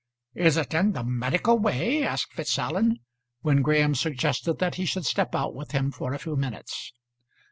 "Is it in the medical way?" asked Fitzallen, when Graham suggested that he should step out with him for a few minutes.